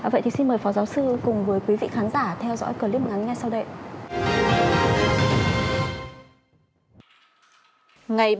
vậy thì xin mời phó giáo sư cùng với quý vị khán giả theo dõi clip ngắn ngay sau đây